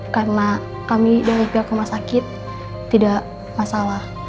karena kami dari pihak koma sakit tidak masalah